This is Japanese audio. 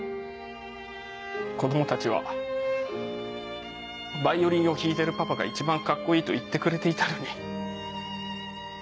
子供たちは「ヴァイオリンを弾いてるパパが一番カッコいい」と言ってくれていたのに。